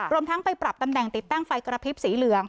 ทั้งไปปรับตำแหน่งติดตั้งไฟกระพริบสีเหลือง